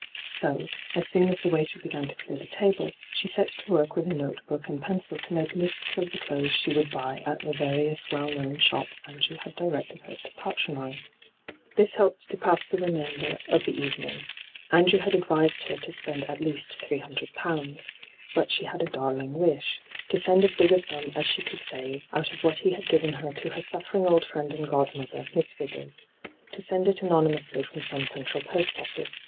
So, as soon as the waiter began to clear tJie table, she set to work with a notebook and pencil to make lists of the clothea she would buy at the various well known shops Andrew had directed her to patronize. This helped to pass the remainder of the evening. Andrew had advised her to spend at least £300. But she had a darling wish : to send as big a sum as she could save out of hyGoogIc ENTRAPPED' 123 what he had given her to her suffering old friend and godmother, Miss Vigors — to send it anonymously from some central post office.